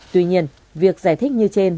tuy nhiên việc giải thích như trên